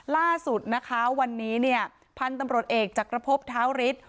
ล่าสุดนะคะวันนี้เนี่ยพันธุ์ตำรวจเอกจักรพบท้าวฤทธิ์